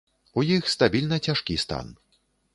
У іх стабільна цяжкі стан.